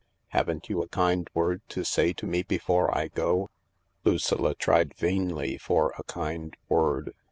Haven't you a kind word to say to me before I go ?" Lucilla tried vainly for a kind word.